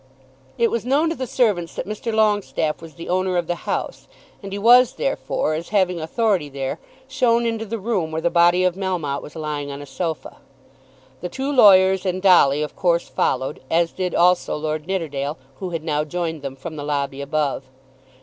It was known to the servants that Mr. Longestaffe was the owner of the house, and he was therefore, as having authority there, shown into the room where the body of Melmotte was lying on a sofa. The two lawyers and Dolly of course followed, as did also Lord Nidderdale, who had now joined them from the lobby above.